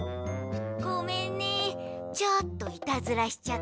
ごめんねちょっとイタズラしちゃった。